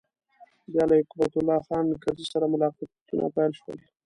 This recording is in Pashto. بیا له حکمت الله خان کرزي سره ملاقاتونه پیل شول.